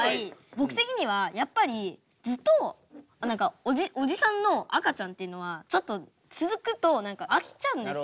僕的にはやっぱりずっとおじさんの赤ちゃんっていうのはちょっと続くと飽きちゃうんですよ。